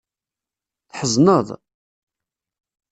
Tḥezneḍ?